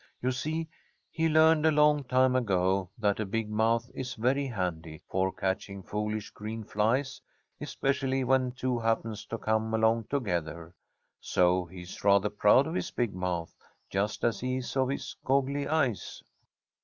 You see, he learned a long time ago that a big mouth is very handy for catching foolish green flies, especially when two happen to come along together. So he is rather proud of his big mouth, just as he is of his goggly eyes.